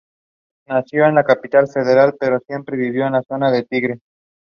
Atif Aslam revealed that the track was produced by Shiraz Uppal.